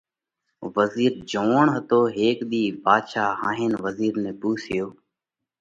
وزِير جوئوڻ هتو۔ هيڪ ۮِي ڀاڌشا هاهينَ وزِير نئہ پونشيو: